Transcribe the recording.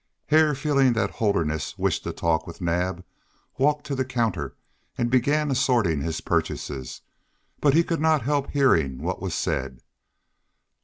Hare, feeling that Holderness wished to talk with Naab, walked to the counter, and began assorting his purchases, but he could not help hearing what was said.